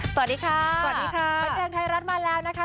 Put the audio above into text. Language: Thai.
สวัสดีค่ะสวัสดีค่ะบันเทิงไทยรัฐมาแล้วนะคะ